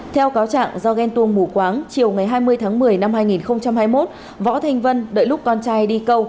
theo cáo trạng do ghen tuông mù quáng chiều ngày hai mươi tháng một mươi năm hai nghìn hai mươi một võ thanh vân đợi lúc con trai đi câu